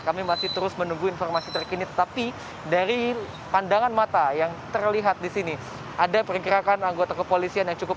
kami masih terus menunggu informasi terkini tetapi dari pandangan mata yang terlihat di sini ada pergerakan anggota kepolisian yang cukup